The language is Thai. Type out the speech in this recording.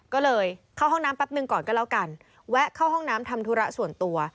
ก็เลยเข้าห้องน้ำแป๊บหนึ่งก่อนก็แล้วกันแวะเข้าห้องน้ำทำธุระส่วนตัว